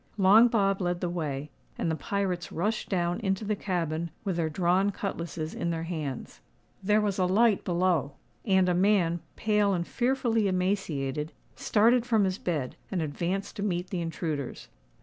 Long Bob led the way; and the pirates rushed down into the cabin, with their drawn cutlasses in their hands. There was a light below; and a man, pale and fearfully emaciated, started from his bed, and advanced to meet the intruders.